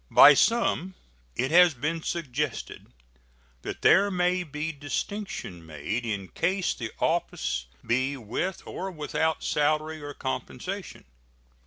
By some it has been suggested that there may be distinction made in case the office be with or without salary or compensation.